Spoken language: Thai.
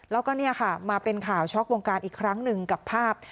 แล้วก็เนี่ยค่ะมาเป็นข่าวช็อกวงการอีกครั้งหนึ่งกับภาพ